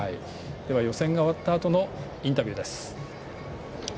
予選が終わったあとのインタビューです。